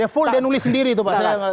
dia full dan nulis sendiri tuh pak